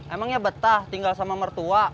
emang ya betah tinggal sama mertua